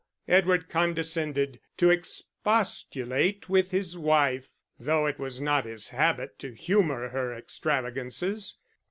Edward condescended to expostulate with his wife, though it was not his habit to humour her extravagances.